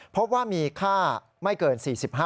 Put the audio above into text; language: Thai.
พบว่ามีค่าไม่เกิน๔๕